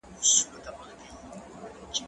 زه اوس انځورونه رسم کوم!؟